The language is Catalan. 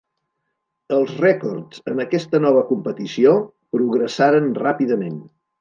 Els rècords en aquesta nova competició progressaren ràpidament.